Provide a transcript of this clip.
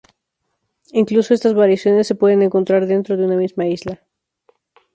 Incluso, estas variaciones, se pueden encontrar dentro de una misma isla.